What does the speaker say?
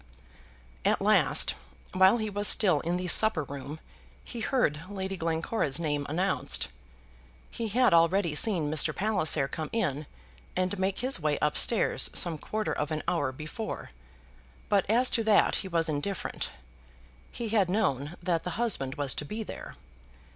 At last, while he was still in the supper room, he heard Lady Glencora's name announced. He had already seen Mr. Palliser come in and make his way up stairs some quarter of an hour before; but as to that he was indifferent. He had known that the husband was to be there.